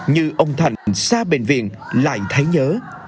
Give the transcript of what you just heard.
như ông thành xa bệnh viện lại thấy nhớ